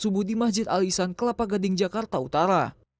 novel berada di masjid alisan kelapa gading jakarta utara